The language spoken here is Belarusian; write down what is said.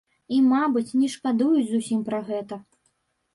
І, мабыць, не шкадуюць зусім пра гэта.